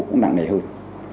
cũng nặng nề hơn